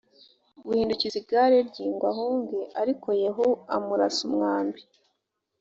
guhindukiza igare rye ngo ahunge arikoyehu amurasa umwambi